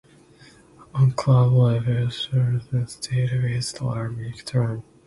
On club level Thoresen stayed with Larvik Turn.